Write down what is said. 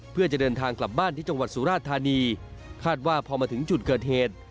เพื่อจะเดินทางกลับบ้านที่จังหวัดสุราธานีคาดว่าพอมาถึงจุดเกิดเหตุ